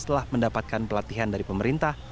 setelah mendapatkan pelatihan dari pemerintah